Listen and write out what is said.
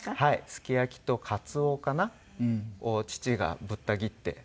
すき焼きとカツオかな？を父がぶった切って。